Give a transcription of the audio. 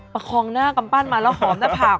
ประคองหน้ากำปั้นมาแล้วหอมหน้าผาก